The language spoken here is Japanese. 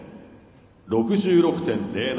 ６６．０７。